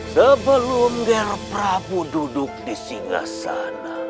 sebelum ger prabu duduk di singa sana